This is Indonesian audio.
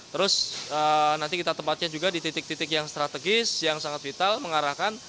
terus nanti kita tempatnya juga di titik titik yang strategis yang sangat vital mengarahkan